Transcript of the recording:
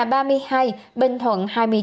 bình thuận hai mươi chín